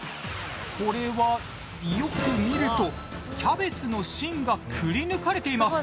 これはよく見るとキャベツの芯がくりぬかれています。